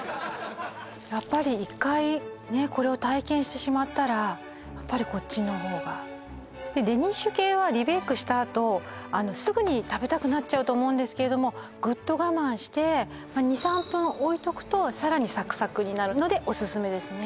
やっぱり一回ねこれを体験してしまったらやっぱりこっちの方がデニッシュ系はリベイクしたあとすぐに食べたくなっちゃうと思うんですけれどもぐっと我慢して２３分置いとくとさらにサクサクになるのでオススメですね